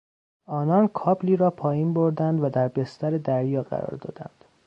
آنان کابلی را پایین بردند و در بستر دریا قرار دادند.